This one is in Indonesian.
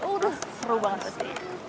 udah seru banget pasti